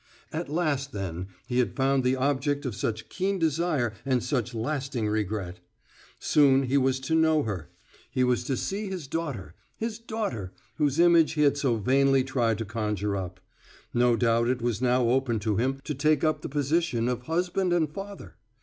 At last, then, he had found the object of such keen desire and such lasting regret! Soon he was to know her! He was to see his daughter his daughter, whose image he had so vainly tried to conjure up. No doubt it was now open to him to take up the position of husband and father!